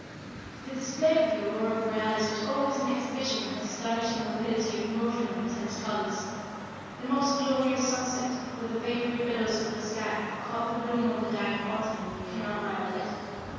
The display of the Aurora Borealis was always an exhibition of astonishing rapidity of motion of intense colors. The most glorious sunset where the vapory billows of the sky have caught the bloom of the dying Autumn cannot rival it.